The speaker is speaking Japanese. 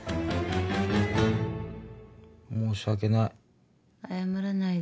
申し訳ない。